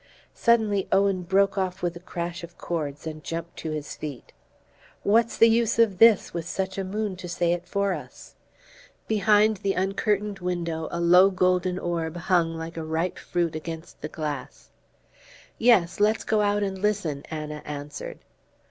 Suddenly Owen broke off with a crash of chords and jumped to his feet. "What's the use of this, with such a moon to say it for us?" Behind the uncurtained window a low golden orb hung like a ripe fruit against the glass. "Yes let's go out and listen," Anna answered.